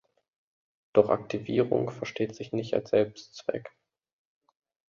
Doch Aktivierung versteht sich nicht als Selbstzweck.